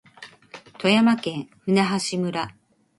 富山県舟橋村